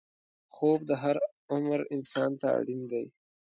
خوب د هر عمر انسان ته اړین دی